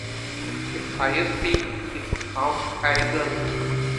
Its highest peak is Mount Errigal.